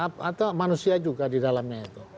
tapi ini kan manusia juga di dalamnya itu